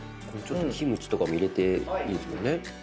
キムチとかも入れていいんすもんね。